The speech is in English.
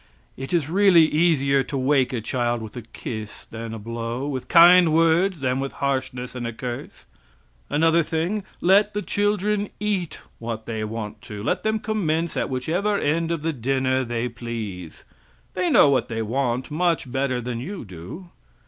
It is really easier to wake a child with a kiss than a blow; with kind words than with harshness and a curse. Another thing: let the children eat what they want to. Let them commence at whichever end of the dinner they please. They know what they want much better than you do.